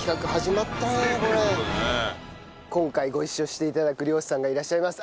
今回ご一緒して頂く漁師さんがいらっしゃいます。